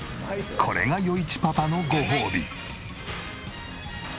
これが余一パパのご褒美。